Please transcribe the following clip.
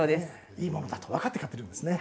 いいものだと分かって買っているんですね